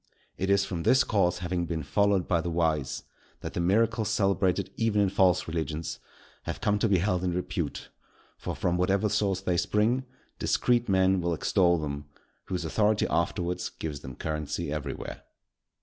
It is from this course having been followed by the wise, that the miracles celebrated even in false religions, have come to be held in repute; for from whatever source they spring, discreet men will extol them, whose authority afterwards gives them currency everywhere.